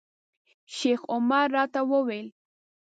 شیخ عمر راته وویل.